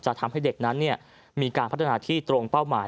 ทำให้เด็กนั้นมีการพัฒนาที่ตรงเป้าหมาย